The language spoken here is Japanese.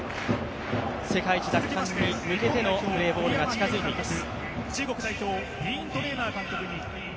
世界一奪還に向けてのプレーボールが近づいています。